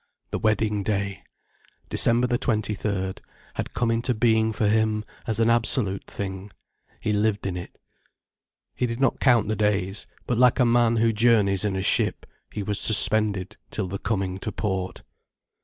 The wedding day, December the twenty third, had come into being for him as an absolute thing. He lived in it. He did not count the days. But like a man who journeys in a ship, he was suspended till the coming to port.